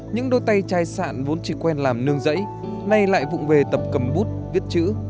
những đôi tay chai sạn vốn chỉ quen làm nương dẫy nay lại vụn về tập cầm bút viết chữ